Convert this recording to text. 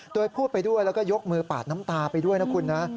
โดยพูดไปด้วยแล้วก็ยกมือปาดน้ำตาไปด้วยนะคุณนะ